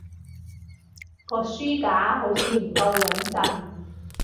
個書架好似唔夠穏陣